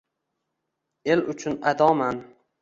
El uchun adoman